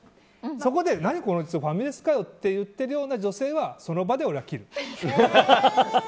そこで、何こいつファミレスかよって言ってるような女性はその場で切る。